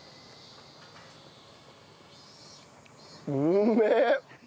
うめえ！